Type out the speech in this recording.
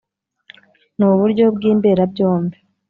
ni uburyo bw’imberabyombi.